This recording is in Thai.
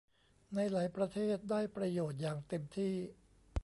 ในหลายประเทศได้ประโยชน์อย่างเต็มที่